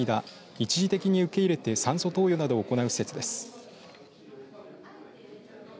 一時的に受け入れて酸素投与などを行う施設です。